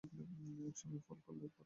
এসময়ের ফল হলো বরই আর কমলালেবু।